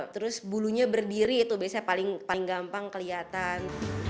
terus bulunya berdiri itu biasanya paling gampang kelihatan